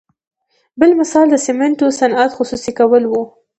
بل مثال د سمنټو صنعت خصوصي کول وو.